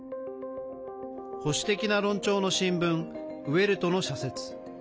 保守的な論調の新聞ウェルトの社説。